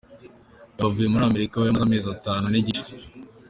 Gaby avuye muri Amerika aho yamaze amezi atanu n'igice.